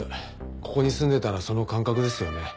ここに住んでたらその感覚ですよね。